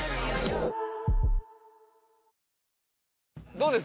どうです？